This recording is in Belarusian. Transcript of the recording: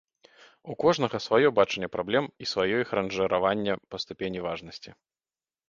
У кожнага сваё бачанне праблем і сваё іх ранжыраванне па ступені важнасці.